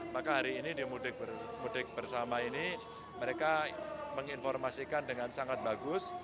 maka hari ini di mudik bersama ini mereka menginformasikan dengan sangat bagus